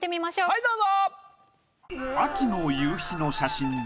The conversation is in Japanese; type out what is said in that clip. はいどうぞ。